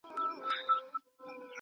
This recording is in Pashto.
دا سفر یو طرفه دی نسته لار د ستنېدلو !.